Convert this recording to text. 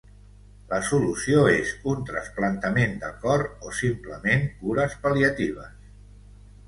La solució és un trasplantament de cor o simplement cures pal·liatives.